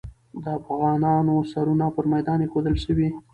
د افغانانو سرونه پر میدان ایښودل سوي.